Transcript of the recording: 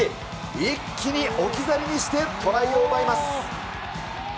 一気に置き去りにしてトライを奪います。